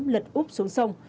lật úp xuống sông